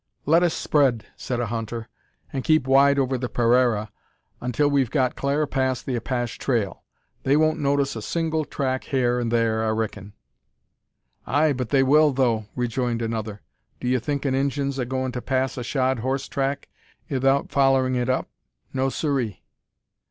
"Let us spread," said a hunter, "and keep wide over the paraira, till we've got clar past the Apash trail. They won't notice a single track hyar and thyar, I reckin." "Ay, but they will, though," rejoined another. "Do ye think an Injun's a goin' to pass a shod horse track 'ithout follerin' it up? No, siree!"